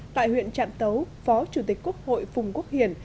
tại huyện trạm tấu phó chủ tịch quốc hội phùng quốc hiển